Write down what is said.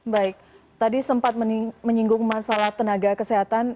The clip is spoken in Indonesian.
baik tadi sempat menyinggung masalah tenaga kesehatan